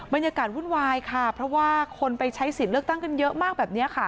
บรรยากาศวุ่นวายค่ะเพราะว่าคนไปใช้สิทธิ์เลือกตั้งกันเยอะมากแบบนี้ค่ะ